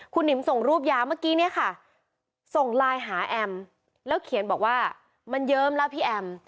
คุณหิมส่งรูปยาเมื่อกี้เนี่ยค่ะส่งไลน์หาแอมแล้วเขียนบอกว่ามันเยิ้มแล้วพี่แอม